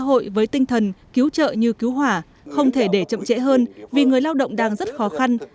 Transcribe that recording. xã hội với tinh thần cứu trợ như cứu hỏa không thể để chậm trễ hơn vì người lao động đang rất khó khăn